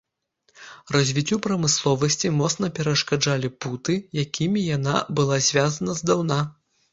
Развіццю прамысловасці моцна перашкаджалі путы, якімі яна была звязана здаўна.